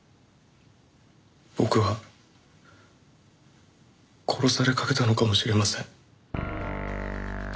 僕は殺されかけたのかもしれません。